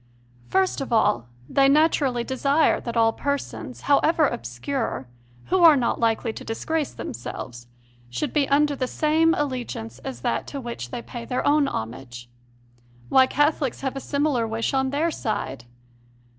First of all, they naturally desire that all persons, however obscure, who are not likely to disgrace themselves, should be under the same allegiance as that to which they pay their own homage. Why, Cath olics have a similar wish on their side!